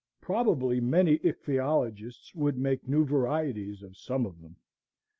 Probably many ichthyologists would make new varieties of some of them.